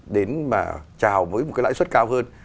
đến mà trào với một cái lãi suất cao hơn